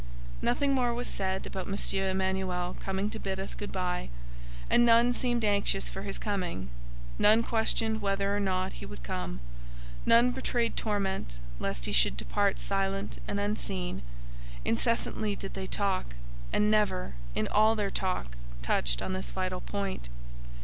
Nothing more was said about M. Emanuel coming to bid us good by; and none seemed anxious for his coming; none questioned whether or not he would come; none betrayed torment lest he should depart silent and unseen; incessantly did they talk, and never, in all their talk, touched on this vital point.